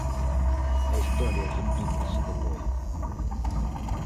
A historia repítese de novo.